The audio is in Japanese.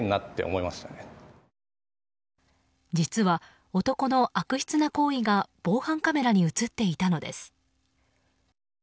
実は、男の悪質な行為が防犯カメラに映っていたのです。